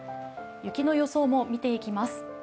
雪の予想も見ていきます。